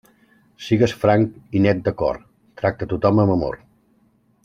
Sigues franc i net de cor, tracta a tothom amb amor.